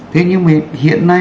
thế nhưng mà hiện nay